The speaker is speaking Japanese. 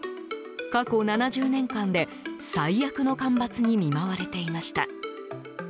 過去７０年間で最悪の干ばつに見舞われていました。